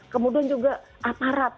kemudian juga aparat